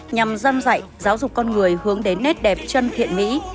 nhằm giam dạy giáo dục con người hướng đến nét đẹp chân thiện mỹ